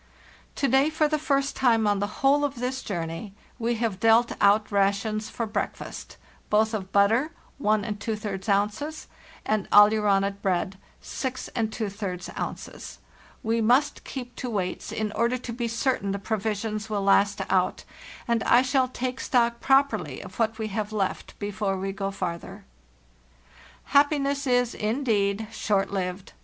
"To day,* for the first time on the whole of this journey, we have dealt out rations for breakfast, both of butter, 12 ounces, and aleuronate bread, 62 ounces. We must keep to weights in order to be certain the pro visions will last out, and I shall take stock properly of what we have left before we go farther. "Happiness is, indeed, short lived.